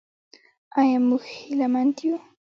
آیا موږ هیله مند یو؟